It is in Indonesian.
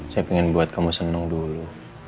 saya ingin buat kamu seneng dulu